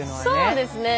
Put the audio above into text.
そうですね。